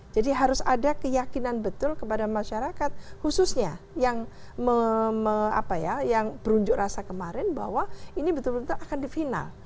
jadi harus ada keyakinan betul kepada masyarakat khususnya yang apa ya yang perunjuk rasa kemarin bahwa ini betul betul akan di final